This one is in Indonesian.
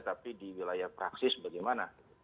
tapi di wilayah praksis bagaimana